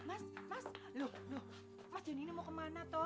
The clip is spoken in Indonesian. mas johnny ini mau kemana toh